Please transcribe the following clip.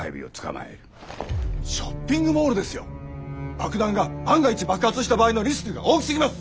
爆弾が万が一爆発した場合のリスクが大きすぎます！